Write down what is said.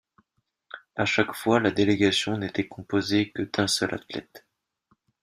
À chaque fois, la délégation n'était composée que d'un seul athlète.